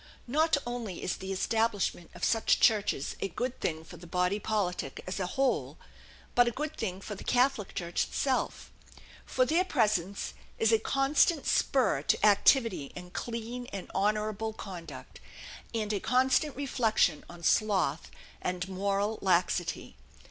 Not only is the establishment of such churches a good thing for the body politic as a whole, but a good thing for the Catholic Church itself; for their presence is a constant spur to activity and clean and honorable conduct, and a constant reflection on sloth and moral laxity.